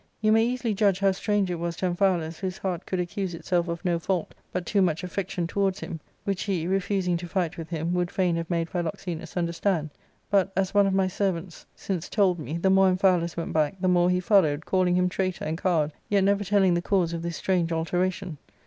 You may easily judge how strange it was to Amphialus, whose heart could accuse itself of no fault but too much affection towards him ; which he, refusing to fight with him, would fain have made Philoxenus understand ; but, as one of my servants since told ^ ARCADIA.—Book L 59 me, the more Amphialus went back, the more he followed, calling him traitor and coward, yet never telling the cause of this strange alteration.